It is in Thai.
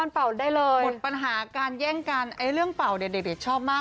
เป่าได้เลยหมดปัญหาการแย่งกันไอ้เรื่องเป่าเนี่ยเด็กชอบมาก